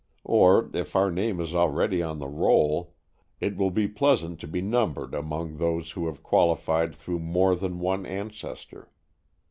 Or if our name is already on the roll, it will be pleasant to be numbered among those who have qualified through more than one ancestor.